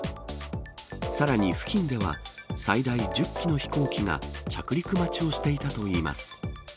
さらに付近では、最大１０機の飛行機が着陸待ちをしていたといいます。